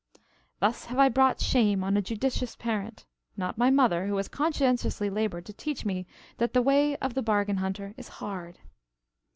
Thus have I brought shame on a judicious parent not my mother who has conscientiously labored to teach me that the way of the bargain hunter is hard.